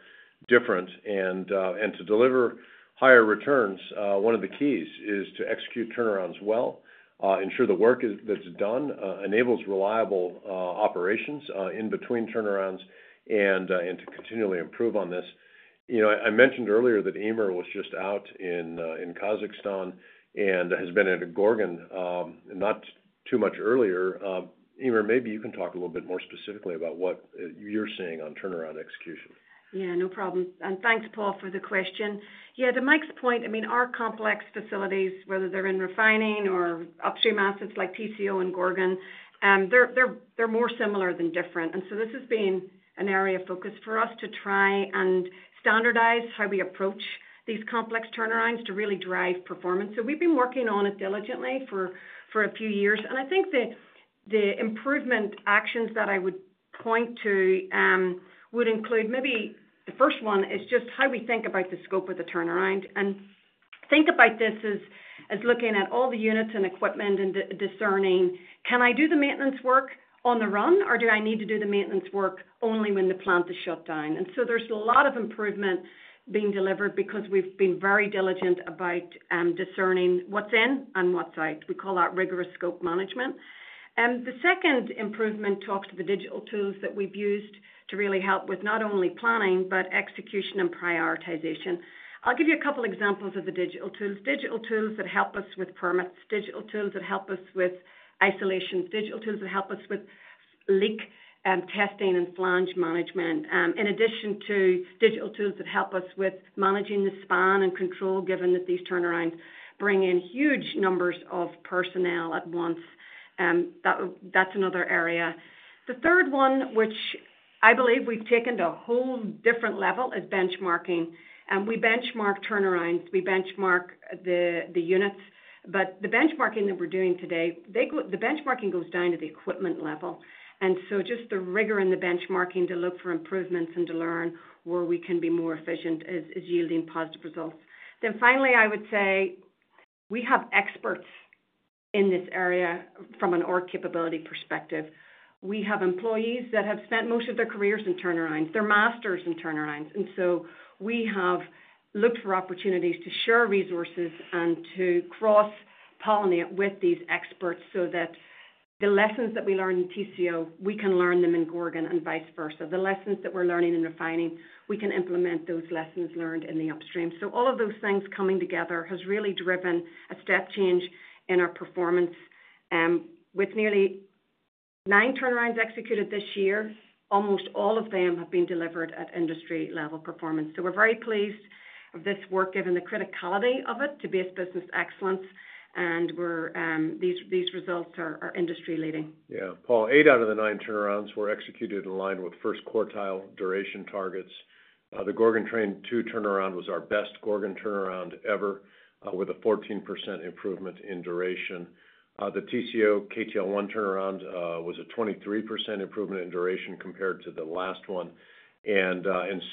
different, and to deliver higher returns, one of the keys is to execute turnarounds well, ensure the work that's done enables reliable operations in between turnarounds, and to continually improve on this. I mentioned earlier that Eimear was just out in Kazakhstan and has been at Gorgon not too much earlier. Eimear, maybe you can talk a little bit more specifically about what you're seeing on turnaround execution. Yeah. No problem. And thanks, Paul, for the question. Yeah, to Mike's point, I mean, our complex facilities, whether they're in refining or upstream assets like TCO and Gorgon, they're more similar than different. And so this has been an area of focus for us to try and standardize how we approach these complex turnarounds to really drive performance. So we've been working on it diligently for a few years. And I think the improvement actions that I would point to would include maybe the first one is just how we think about the scope of the turnaround. And think about this as looking at all the units and equipment and discerning, can I do the maintenance work on the run, or do I need to do the maintenance work only when the plant is shut down? And so there's a lot of improvement being delivered because we've been very diligent about discerning what's in and what's out. We call that rigorous scope management. And the second improvement talks to the digital tools that we've used to really help with not only planning, but execution and prioritization. I'll give you a couple of examples of the digital tools. Digital tools that help us with permits, digital tools that help us with isolations, digital tools that help us with leak testing and flange management, in addition to digital tools that help us with managing the span and control, given that these turnarounds bring in huge numbers of personnel at once. That's another area. The third one, which I believe we've taken to a whole different level, is benchmarking. And we benchmark turnarounds. We benchmark the units. But the benchmarking that we're doing today, the benchmarking goes down to the equipment level. And so just the rigor in the benchmarking to look for improvements and to learn where we can be more efficient is yielding positive results. Then finally, I would say we have experts in this area from an org capability perspective. We have employees that have spent most of their careers in turnarounds, they're masters in turnarounds. And so we have looked for opportunities to share resources and to cross-pollinate with these experts so that the lessons that we learned in TCO, we can learn them in Gorgon and vice versa. The lessons that we're learning in refining, we can implement those lessons learned in the upstream. So all of those things coming together has really driven a step change in our performance. With nearly nine turnarounds executed this year, almost all of them have been delivered at industry-level performance, so we're very pleased with this work given the criticality of it to be a business excellence, and these results are industry-leading. Yeah. Paul, eight out of the nine turnarounds were executed in line with first quartile duration targets. The Gorgon Train II turnaround was our best Gorgon turnaround ever with a 14% improvement in duration. The TCO KTL1 turnaround was a 23% improvement in duration compared to the last one. And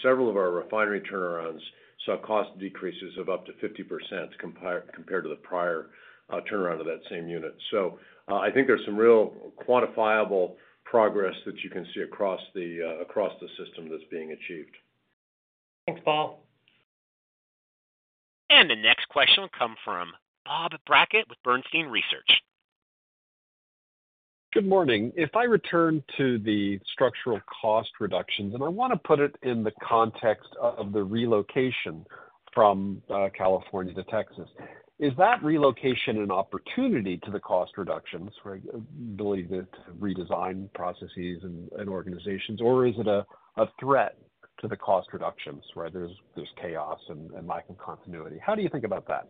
several of our refinery turnarounds saw cost decreases of up to 50% compared to the prior turnaround of that same unit. So I think there's some real quantifiable progress that you can see across the system that's being achieved. Thanks, Paul. The next question will come from Bob Brackett with Bernstein Research. Good morning. If I return to the structural cost reductions, and I want to put it in the context of the relocation from California to Texas, is that relocation an opportunity to the cost reductions for ability to redesign processes and organizations, or is it a threat to the cost reductions where there's chaos and lack of continuity? How do you think about that?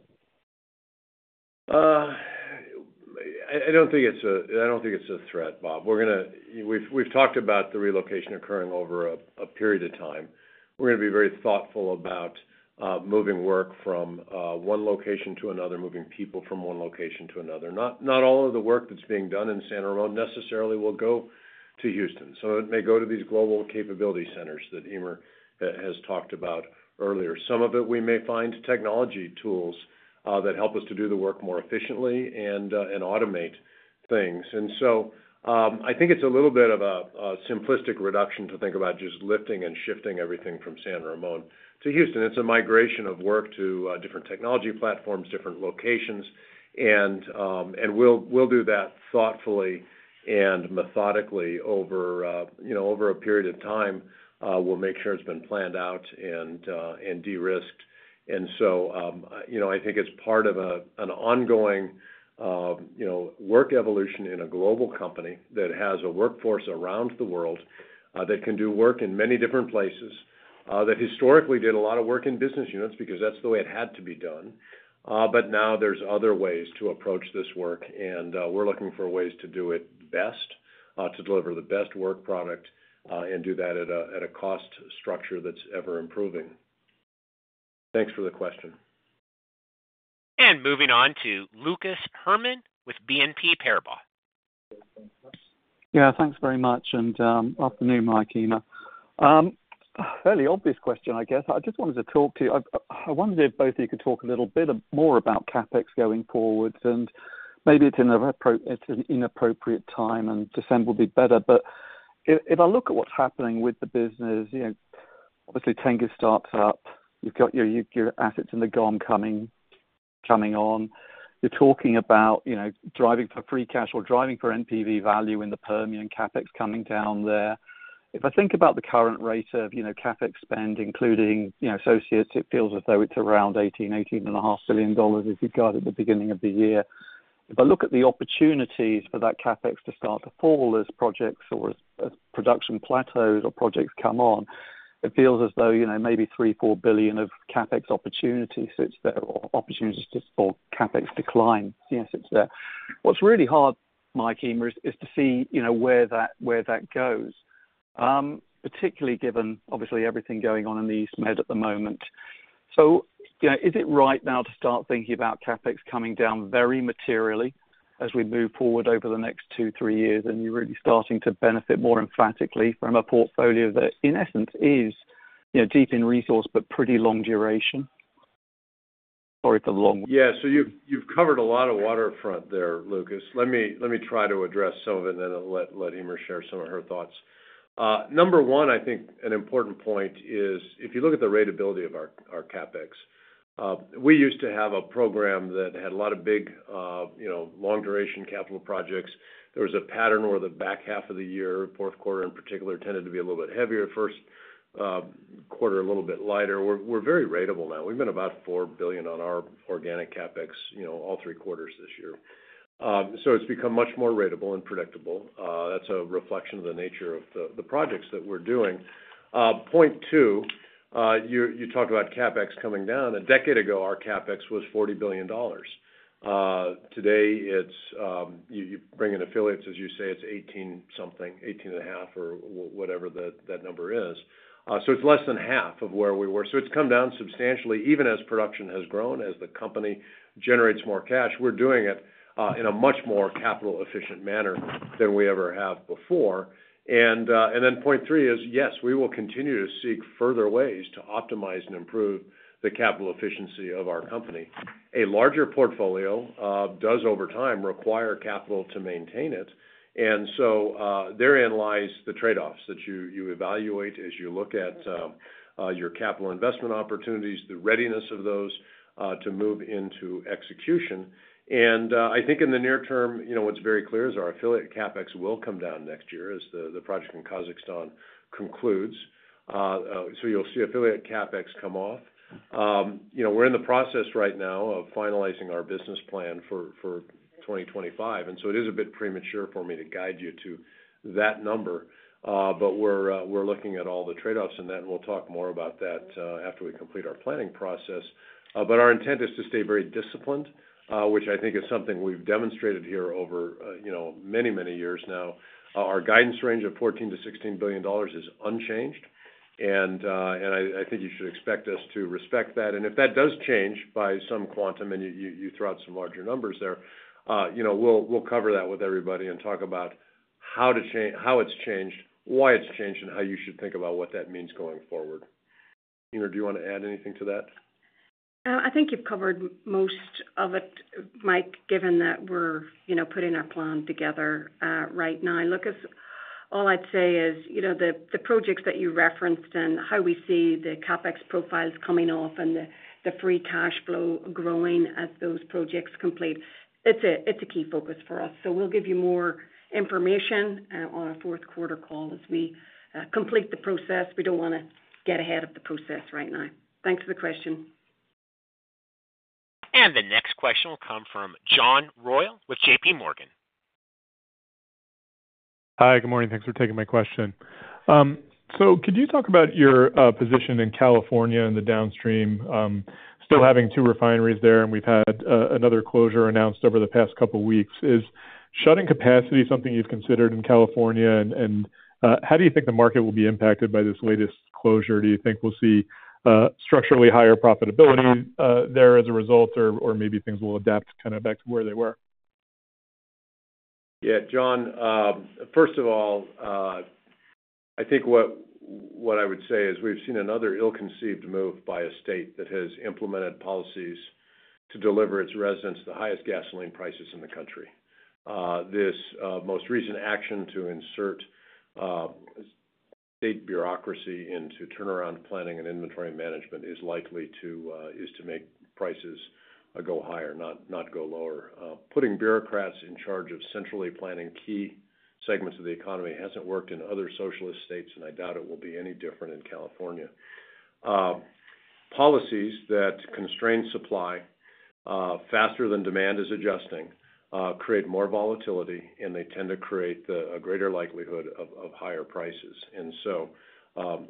I don't think it's a threat, Bob. We've talked about the relocation occurring over a period of time. We're going to be very thoughtful about moving work from one location to another, moving people from one location to another. Not all of the work that's being done in Santa Rosa necessarily will go to Houston. Some of it may go to these global capability centers that Eimear has talked about earlier. Some of it, we may find technology tools that help us to do the work more efficiently and automate things. And so I think it's a little bit of a simplistic reduction to think about just lifting and shifting everything from Santa Rosa to Houston. It's a migration of work to different technology platforms, different locations. And we'll do that thoughtfully and methodically over a period of time. We'll make sure it's been planned out and de-risked, and so I think it's part of an ongoing work evolution in a global company that has a workforce around the world that can do work in many different places, that historically did a lot of work in business units because that's the way it had to be done, but now there's other ways to approach this work, and we're looking for ways to do it best, to deliver the best work product, and do that at a cost structure that's ever improving. Thanks for the question. Moving on to Lucas Herrmann with BNP Paribas. Yeah. Thanks very much. Good afternoon, Mike, Eimear. Fairly obvious question, I guess. I just wanted to talk to you. I wondered if both of you could talk a little bit more about CapEx going forward. And maybe it's an inappropriate time, and December will be better. But if I look at what's happening with the business, obviously, Tengiz starts up. You've got your assets in the GOM coming on. You're talking about driving for free cash or driving for NPV value in the Permian CapEx coming down there. If I think about the current rate of CapEx spend, including associates, it feels as though it's around $18-$18.5 billion as you got at the beginning of the year. If I look at the opportunities for that CapEx to start to fall as projects or as production plateaus or projects come on, it feels as though maybe $3-4 billion of CapEx opportunities sits there or opportunities for CapEx decline. Yes, it's there. What's really hard, Mike, Eimear, is to see where that goes, particularly given, obviously, everything going on in the East Med at the moment. So is it right now to start thinking about CapEx coming down very materially as we move forward over the next two-three years, and you're really starting to benefit more emphatically from a portfolio that, in essence, is deep in resource but pretty long duration? Sorry for the long. Yeah. So you've covered a lot of waterfront there, Lucas. Let me try to address some of it, and then let Eimear share some of her thoughts. Number one, I think an important point is if you look at the rateability of our CapEx, we used to have a program that had a lot of big long-duration capital projects. There was a pattern where the back half of the year, fourth quarter in particular, tended to be a little bit heavier. First quarter, a little bit lighter. We're very rateable now. We've been about $4 billion on our organic CapEx all three quarters this year. So it's become much more rateable and predictable. That's a reflection of the nature of the projects that we're doing. Point two, you talked about CapEx coming down. A decade ago, our CapEx was $40 billion. Today, you bring in affiliates, as you say, it's 18 something, 18 and a half, or whatever that number is, so it's less than half of where we were. So it's come down substantially, even as production has grown, as the company generates more cash. We're doing it in a much more capital-efficient manner than we ever have before, and then point three is, yes, we will continue to seek further ways to optimize and improve the capital efficiency of our company. A larger portfolio does, over time, require capital to maintain it, and so therein lies the trade-offs that you evaluate as you look at your capital investment opportunities, the readiness of those to move into execution, and I think in the near term, what's very clear is our affiliate CapEx will come down next year as the project in Kazakhstan concludes, so you'll see affiliate CapEx come off. We're in the process right now of finalizing our business plan for 2025. And so it is a bit premature for me to guide you to that number. But we're looking at all the trade-offs in that, and we'll talk more about that after we complete our planning process. But our intent is to stay very disciplined, which I think is something we've demonstrated here over many, many years now. Our guidance range of $14-$16 billion is unchanged. And I think you should expect us to respect that. And if that does change by some quantum, and you throw out some larger numbers there, we'll cover that with everybody and talk about how it's changed, why it's changed, and how you should think about what that means going forward. Eimear, do you want to add anything to that? I think you've covered most of it, Mike, given that we're putting our plan together right now. Lucas, all I'd say is the projects that you referenced and how we see the CapEx profiles coming off and the free cash flow growing as those projects complete, it's a key focus for us. So we'll give you more information on our fourth quarter call as we complete the process. We don't want to get ahead of the process right now. Thanks for the question. The next question will come from John Royall with JPMorgan. Hi. Good morning. Thanks for taking my question, so could you talk about your position in California and the downstream, still having two refineries there, and we've had another closure announced over the past couple of weeks? Is shutting capacity something you've considered in California? And how do you think the market will be impacted by this latest closure? Do you think we'll see structurally higher profitability there as a result, or maybe things will adapt kind of back to where they were? Yeah. John, first of all, I think what I would say is we've seen another ill-conceived move by a state that has implemented policies to deliver its residents the highest gasoline prices in the country. This most recent action to insert state bureaucracy into turnaround planning and inventory management is likely to make prices go higher, not go lower. Putting bureaucrats in charge of centrally planning key segments of the economy hasn't worked in other socialist states, and I doubt it will be any different in California. Policies that constrain supply faster than demand is adjusting create more volatility, and they tend to create a greater likelihood of higher prices. And so,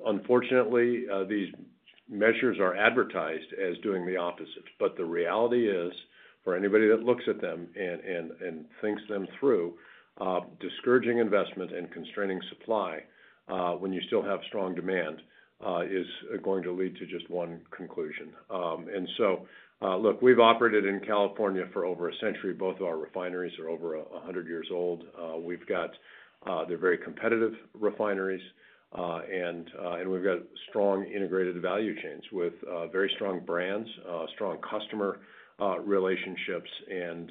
unfortunately, these measures are advertised as doing the opposite. But the reality is, for anybody that looks at them and thinks them through, discouraging investment and constraining supply when you still have strong demand is going to lead to just one conclusion. And so, look, we've operated in California for over a century. Both of our refineries are over 100 years old. We've got—they're very competitive refineries. And we've got strong integrated value chains with very strong brands, strong customer relationships. And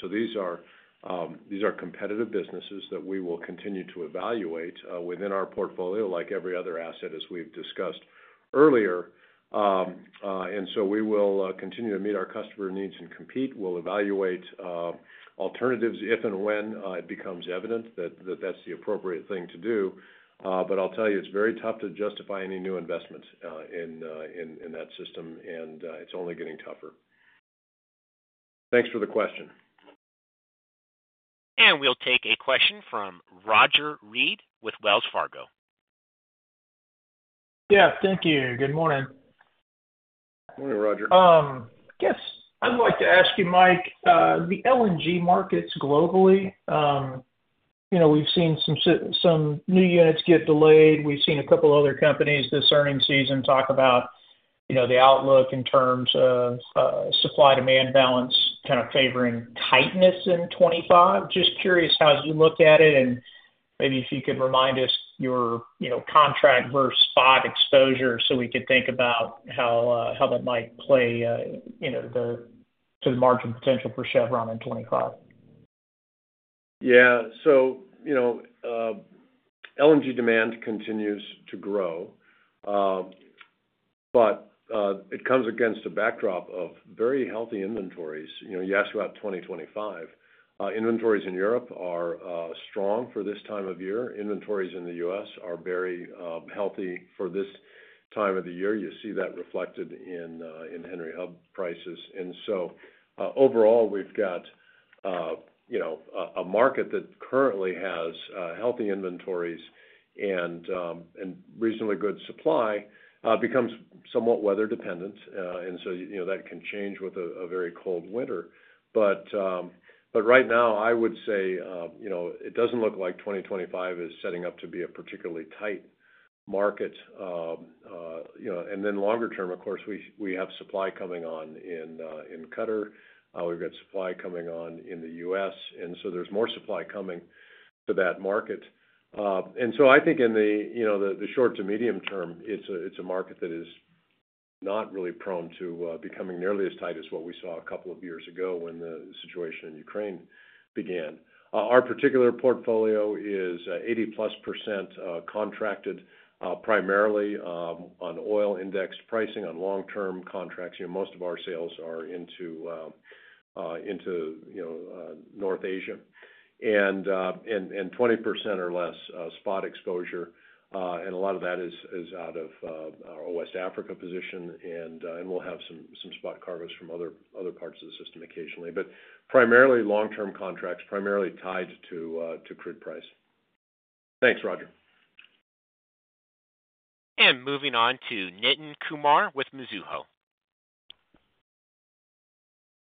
so these are competitive businesses that we will continue to evaluate within our portfolio like every other asset, as we've discussed earlier. And so we will continue to meet our customer needs and compete. We'll evaluate alternatives if and when it becomes evident that that's the appropriate thing to do. But I'll tell you, it's very tough to justify any new investment in that system, and it's only getting tougher. Thanks for the question. And we'll take a question from Roger Read with Wells Fargo. Yeah. Thank you. Good morning. Morning, Roger. Yes. I'd like to ask you, Mike, the LNG markets globally. We've seen some new units get delayed. We've seen a couple of other companies this earnings season talk about the outlook in terms of supply-demand balance kind of favoring tightness in 2025. Just curious how you look at it, and maybe if you could remind us your contract versus spot exposure so we could think about how that might play to the margin potential for Chevron in 2025. Yeah. So LNG demand continues to grow, but it comes against a backdrop of very healthy inventories. You asked about 2025. Inventories in Europe are strong for this time of year. Inventories in the U.S. are very healthy for this time of the year. You see that reflected in Henry Hub prices. And so, overall, we've got a market that currently has healthy inventories and reasonably good supply. It becomes somewhat weather-dependent, and so that can change with a very cold winter. But right now, I would say it doesn't look like 2025 is setting up to be a particularly tight market. And then longer term, of course, we have supply coming on in Qatar. We've got supply coming on in the U.S. And so there's more supply coming to that market. And so I think in the short to medium term, it's a market that is not really prone to becoming nearly as tight as what we saw a couple of years ago when the situation in Ukraine began. Our particular portfolio is 80-plus% contracted primarily on oil-indexed pricing on long-term contracts. Most of our sales are into North Asia, and 20% or less spot exposure. And a lot of that is out of our West Africa position. And we'll have some spot cargoes from other parts of the system occasionally. But primarily long-term contracts, primarily tied to crude price. Thanks, Roger. Moving on to Nitin Kumar with Mizuho.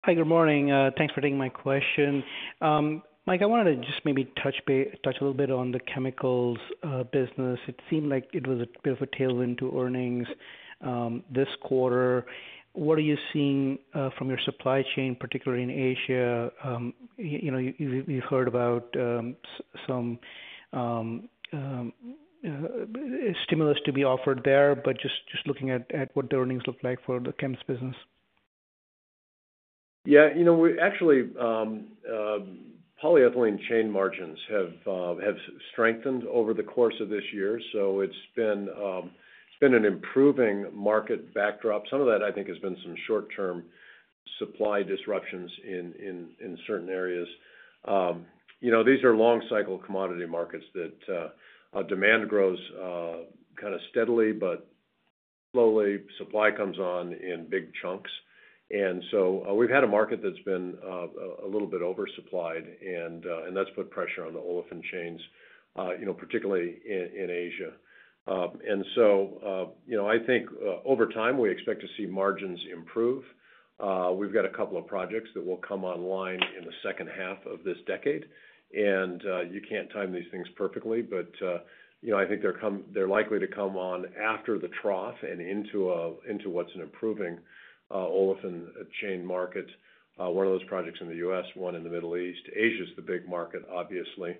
Hi. Good morning. Thanks for taking my question. Mike, I wanted to just maybe touch a little bit on the chemicals business. It seemed like it was a bit of a tailwind to earnings this quarter. What are you seeing from your supply chain, particularly in Asia? You've heard about some stimulus to be offered there, but just looking at what the earnings look like for the chems business. Yeah. Actually, polyethylene chain margins have strengthened over the course of this year. So it's been an improving market backdrop. Some of that, I think, has been some short-term supply disruptions in certain areas. These are long-cycle commodity markets that demand grows kind of steadily but slowly. Supply comes on in big chunks. And so we've had a market that's been a little bit oversupplied, and that's put pressure on the olefin chains, particularly in Asia. And so I think, over time, we expect to see margins improve. We've got a couple of projects that will come online in the second half of this decade. And you can't time these things perfectly, but I think they're likely to come on after the trough and into what's an improving olefin chain market. One of those projects in the U.S., one in the Middle East. Asia is the big market, obviously.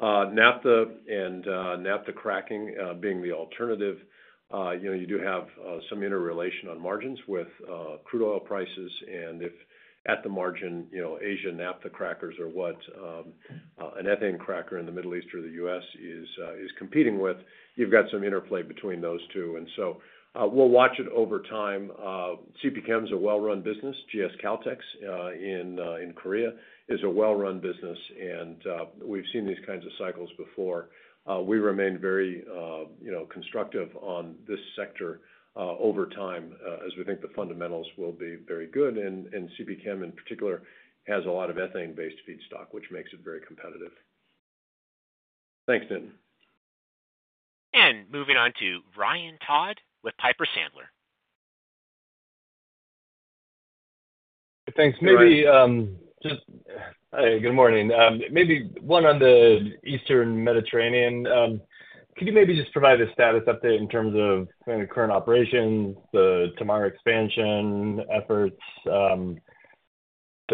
Naphtha and Naphtha Cracking being the alternative, you do have some interrelation on margins with crude oil prices. And if, at the margin, Asia Naphtha Crackers or what an ethane cracker in the Middle East or the US is competing with, you've got some interplay between those two. And so we'll watch it over time. CP Chem is a well-run business. GS Caltex in Korea is a well-run business. And we've seen these kinds of cycles before. We remain very constructive on this sector over time as we think the fundamentals will be very good. And CP Chem in particular has a lot of ethane-based feedstock, which makes it very competitive. Thanks, Nitin. Moving on to Ryan Todd with Piper Sandler. Thanks, Nitin. Hey, good morning. Maybe one on the Eastern Mediterranean. Could you maybe just provide a status update in terms of current operations, the Tamar expansion efforts, the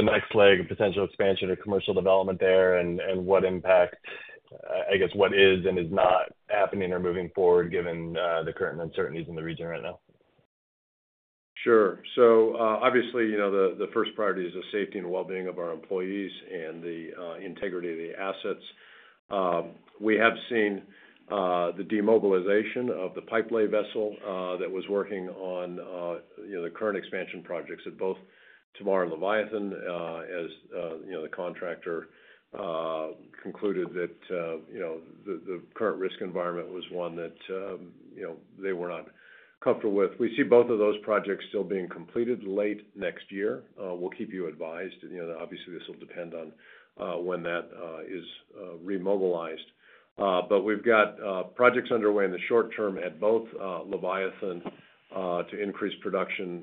next leg of potential expansion or commercial development there, and what impact, I guess, what is and is not happening or moving forward given the current uncertainties in the region right now? Sure. So obviously, the first priority is the safety and well-being of our employees and the integrity of the assets. We have seen the demobilization of the pipelay vessel that was working on the current expansion projects at both Tamar and Leviathan as the contractor concluded that the current risk environment was one that they were not comfortable with. We see both of those projects still being completed late next year. We'll keep you advised. Obviously, this will depend on when that is remobilized. But we've got projects underway in the short term at both Leviathan to increase production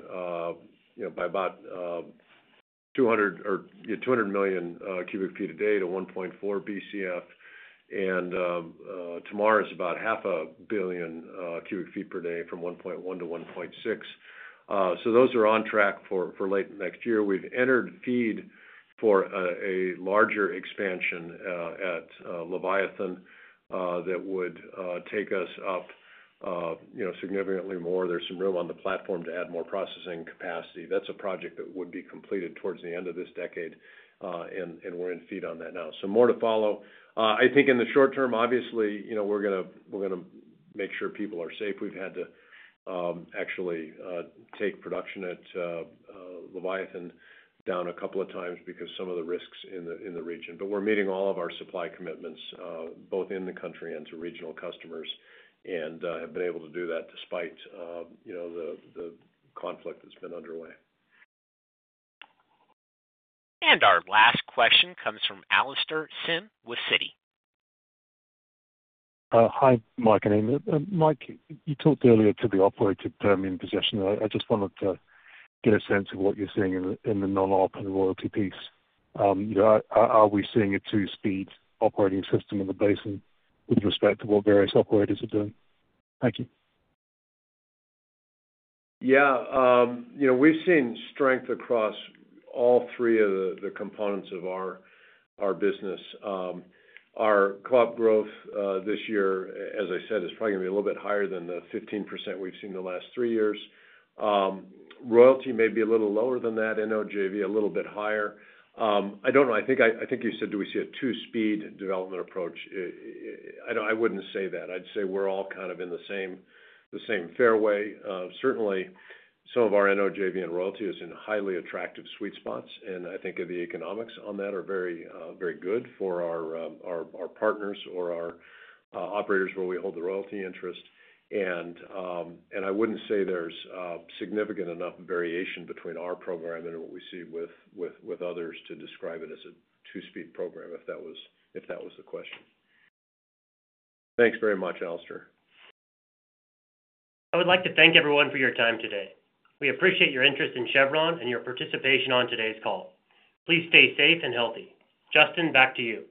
by about 200 or 200 million cubic feet a day to 1.4 BCF. And Tamar is about 500 million cubic feet per day from 1.1 to 1.6. So those are on track for late next year. We've entered FEED for a larger expansion at Leviathan that would take us up significantly more. There's some room on the platform to add more processing capacity. That's a project that would be completed towards the end of this decade, and we're in FEED on that now. So more to follow. I think in the short term, obviously, we're going to make sure people are safe. We've had to actually take production at Leviathan down a couple of times because of some of the risks in the region. But we're meeting all of our supply commitments both in the country and to regional customers and have been able to do that despite the conflict that's been underway. And our last question comes from Alastair Syme with Citi. Hi, Mike. You talked earlier about the operator terms in possession. I just wanted to get a sense of what you're seeing in the non-op and royalty piece. Are we seeing a two-speed operating system in the basin with respect to what various operators are doing? Thank you. Yeah. We've seen strength across all three of the components of our business. Our club growth this year, as I said, is probably going to be a little bit higher than the 15% we've seen the last three years. Royalty may be a little lower than that. NOJV a little bit higher. I don't know. I think you said, "Do we see a two-speed development approach?" I wouldn't say that. I'd say we're all kind of in the same fairway. Certainly, some of our NOJV and royalty is in highly attractive sweet spots. And I think the economics on that are very good for our partners or our operators where we hold the royalty interest. And I wouldn't say there's significant enough variation between our program and what we see with others to describe it as a two-speed program if that was the question. Thanks very much, Alastair. I would like to thank everyone for your time today. We appreciate your interest in Chevron and your participation on today's call. Please stay safe and healthy. Justin, back to you.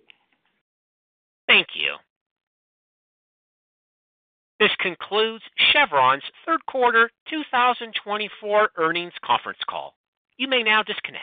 Thank you. This concludes Chevron's third-quarter 2024 earnings conference call. You may now disconnect.